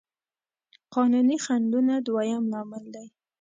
قانوني خنډونه دويم لامل دی.